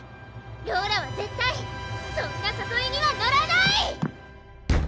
ローラは絶対そんなさそいには乗らない！